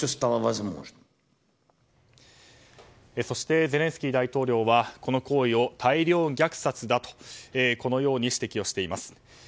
そして、ゼレンスキー大統領はこの行為を大量虐殺だと指摘をしています。